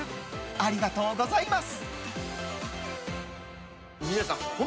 ありがとうございます！